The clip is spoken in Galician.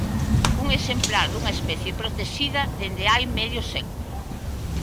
Un exemplar dunha especie protexida dende hai medio século.